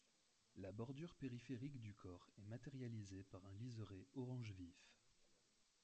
La bordure périphérique du corps est matérialisée par un liseré orange vif.